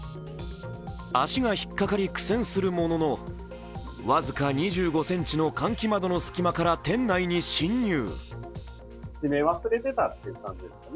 足が引っかかり、苦戦するものの僅か２５ｃｍの換気窓の隙間から店内に侵入。